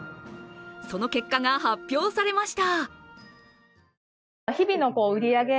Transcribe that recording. その結果が発表されました。